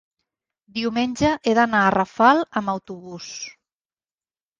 Diumenge he d'anar a Rafal amb autobús.